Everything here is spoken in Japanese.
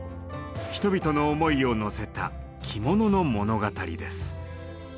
人々の思いをのせた着物の物語です。